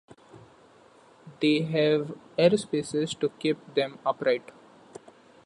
They have air spaces to keep them upright.